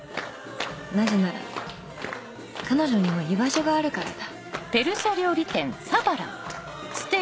なぜなら彼女には居場所があるからだ